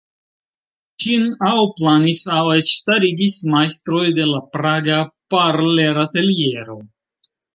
Ĝin aŭ planis aŭ eĉ starigis majstroj de la praga Parler-ateliero.